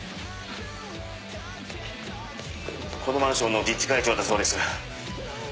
このマンションの自治会長だそうです。